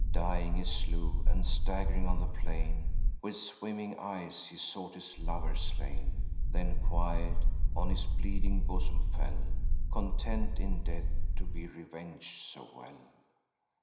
Dying, he slew; and, stagg'ring on the plain, With swimming eyes he sought his lover slain; Then quiet on his bleeding bosom fell, Content, in death, to be reveng'd so well.